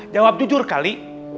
jawab jujur kali